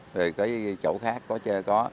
rồi cái chỗ khác có chơi có